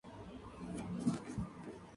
Son unas arañas pequeñas y poco peludas.